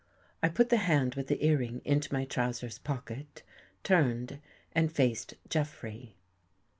I put the hand with the earring Into my trousers pocket, turned and faced Jeffrey.